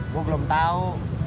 gue belum tau